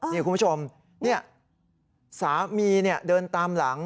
นี่คุณผู้ชมนี่สามีเดินตามหลัง